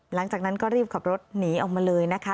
หลังจากนั้นก็รีบขับรถหนีออกมาเลยนะคะ